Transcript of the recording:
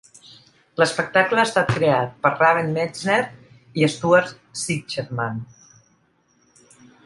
L'espectacle ha estat creat per Raven Metzner i Stuart Zicherman.